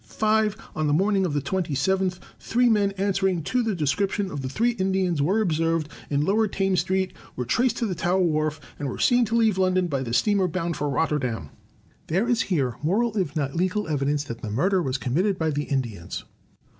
(5) On the morning of the twenty seventh, three men, answering to the de scription of the three Indians, were observed in lower Thames Street, were traced to the Tower Wharf, and were seen to leave London by the steamer botmd for Rotterdam. "There is here moral, if not legal, evidence that the murder was committed by the Indians.'